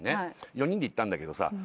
４人で行ったんだけどさ